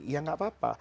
ya tidak apa apa